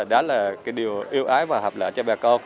đó là điều yêu ái và hợp lợi cho bà con